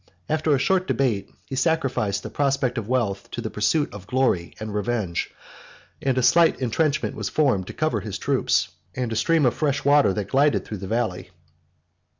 After a short debate, he sacrificed the prospect of wealth to the pursuit of glory and revenge, and a slight intrenchment was formed, to cover his troops, and a stream of fresh water, that glided through the valley.